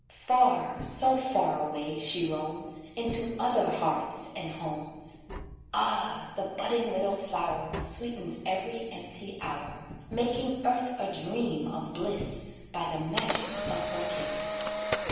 Far, so far away she roams, Into other hearts and homes, Ah! the budding little flower Sweetens every empty hour, Making earth a dream of bliss By the magic of her kiss.